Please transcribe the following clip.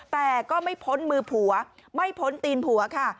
แต่ก็ไม่พ้นมือผัวไม่พ้นตีนผัวค่ะ